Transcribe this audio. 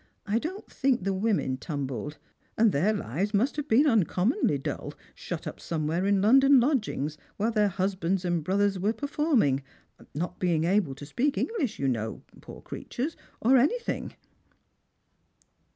I don't think the women tumbled ; and their lives must have been uncommonly dull, shut up somewhere in London lodgings, while their husbands and brothers were performing, not being able to speak English, you know, poor creatures, or anything."